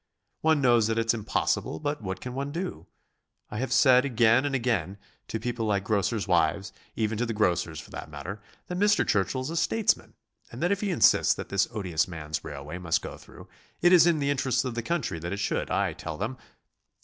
One knows that it's impossible, but what can one do? I have said again and again to people like grocers' wives; even to the grocers, for that matter that Mr. Churchill is a statesman, and that if he insists that this odious man's railway must go through, it is in the interests of the country that it should. I tell them...."